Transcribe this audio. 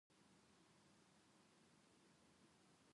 小学国語辞典